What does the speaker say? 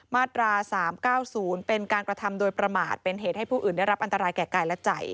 มาตรา๓๙๐เป็นการกระทำโดยประมาทเป็นเหตุให้ผู้อื่นได้รับอันตรายแก่กายและใจ